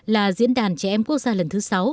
là diễn đàn trẻ em quốc gia lần thứ sáu